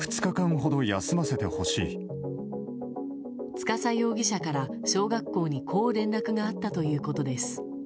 司容疑者から、小学校にこう連絡があったということです。